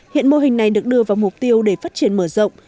hiện mô hình này được đưa vào mục tiêu để phát triển mở rộng